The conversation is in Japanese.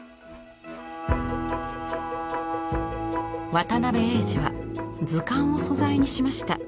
渡辺英司は図鑑を素材にしました。